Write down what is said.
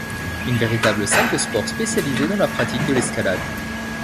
Une véritable salle de sport spécialisée dans la pratique de l’escalade.